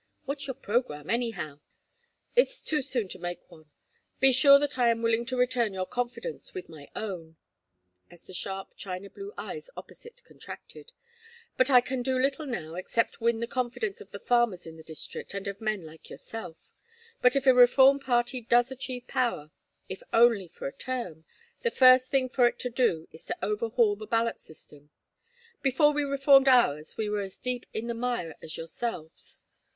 What's your program, anyhow?" "It's too soon to make one be sure that I am willing to return your confidence with my own" as the sharp china blue eyes opposite contracted; "but I can do little now except win the confidence of the farmers in this district and of men like yourself. But if a reform party does achieve power, if only for a term, the first thing for it to do is to overhaul the ballot system. Before we reformed ours we were as deep in the mire as yourselves.